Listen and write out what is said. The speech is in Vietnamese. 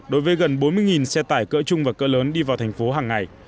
đối với gần bốn mươi xe tải cỡ chung và cỡ lớn đi vào thành phố hàng ngày